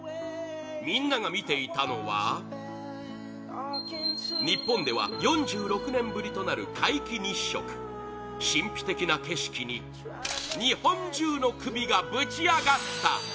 みんなが見ていたのは日本では４６年ぶりとなる皆既日食神秘的な景色に日本中の首がぶちアガった！